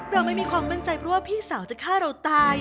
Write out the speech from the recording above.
เราไม่มีความมั่นใจเพราะว่าพี่สาวจะฆ่าเราตาย